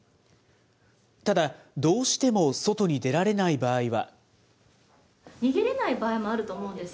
ただ、どうしても外に出られない場合は。